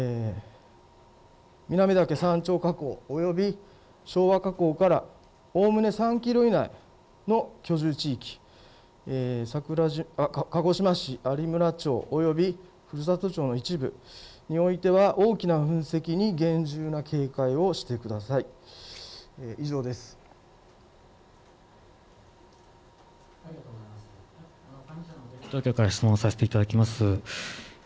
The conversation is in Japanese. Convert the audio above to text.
南岳山頂火口および昭和火口からおおむね３キロ以内の居住地域、鹿児島市有村町および古里町の一部においては大きな噴石に厳重な警戒をしてください。